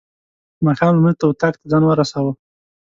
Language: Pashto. ماښام لمونځ ته اطاق ته ځان ورساوه.